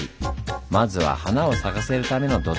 まずは華を咲かせるための土台